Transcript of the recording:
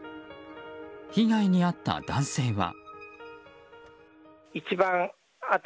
被害に遭った男性は。